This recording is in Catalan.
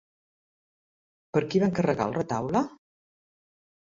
Per qui va encarregar el retaule?